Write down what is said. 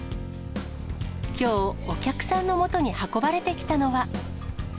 きょう、お客さんのもとに運ばれてきたのは。